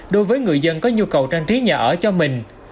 đối với người dân có nhu cầu trang trí nhà ở cho mình